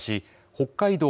北海道